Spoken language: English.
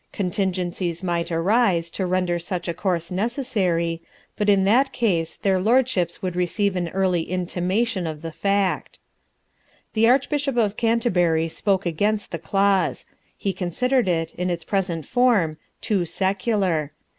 Contingencies might arise to render such a course necessary, but in that case their Lordships would receive an early intimation of the fact. The Archbishop of Canterbury spoke against the clause. He considered it, in its present form, too secular.